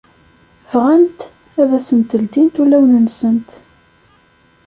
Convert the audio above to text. bɣant ad asent-ldint ulawen-nsent.